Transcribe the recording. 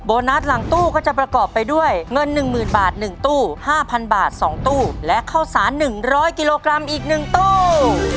โบนัสหลังตู้ก็จะประกอบไปด้วยเงินหนึ่งหมื่นบาทหนึ่งตู้ห้าพันบาทสองตู้และเข้าสารหนึ่งร้อยกิโลกรัมอีกหนึ่งตู้